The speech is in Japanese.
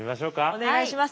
お願いします。